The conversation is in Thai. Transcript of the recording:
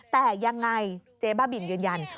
แต่ยังไงเจ๊บ้าบินยืนยัน